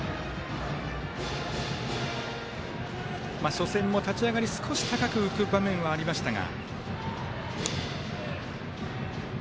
初戦も立ち上がり少し浮く場面はありましたが。